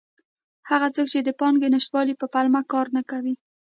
هغه څوک چې د پانګې نشتوالي په پلمه کار نه کوي.